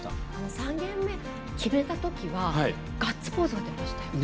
３ゲーム目決めたときはガッツポーズ出ましたよね。